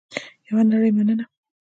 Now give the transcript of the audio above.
یوه نړۍ مننه